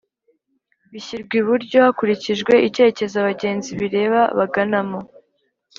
bishyirwa iburyo hakurikijwe icyerekezo abagenzi bireba baganamo